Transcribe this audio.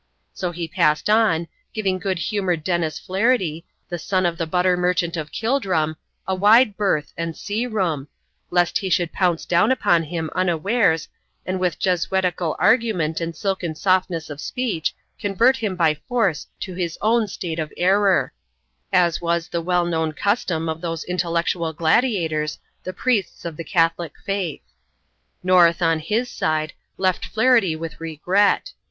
So he passed on, giving good humoured Denis Flaherty, the son of the butter merchant of Kildrum, a wide berth and sea room, lest he should pounce down upon him unawares, and with Jesuitical argument and silken softness of speech, convert him by force to his own state of error as was the well known custom of those intellectual gladiators, the Priests of the Catholic Faith. North, on his side, left Flaherty with regret.